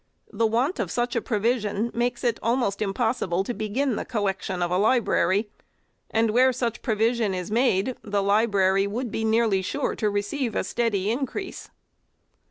The want of such a provision makes it almost impossible to begin the collection of a library ; and where such provision is made, the library would be nearly sure to receive a steady increase.